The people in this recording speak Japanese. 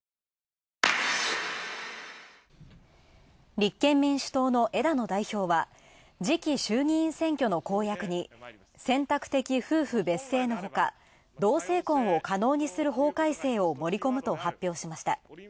立憲民主党の枝野代表は、次期衆議院選挙の公約に選択的夫婦別姓のほか、同姓婚を可能にする法改正を盛り込むと発表しました。